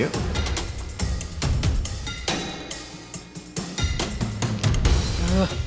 ya udah yuk